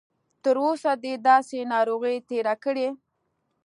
تر اوسه دې داسې ناروغي تېره کړې؟